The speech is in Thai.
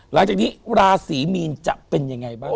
หลังจากนี้ราศีมีนจะเป็นยังไงบ้าง